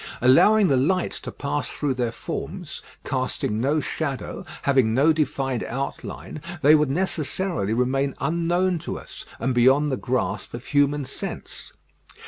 Allowing the light to pass through their forms, casting no shadow, having no defined outline, they would necessarily remain unknown to us, and beyond the grasp of human sense.